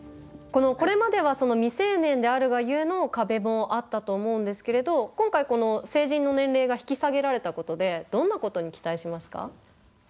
これまでは未成年であるがゆえの壁もあったと思うんですけれど今回この成人の年齢が引き下げられたことでどんなことに期待しますか？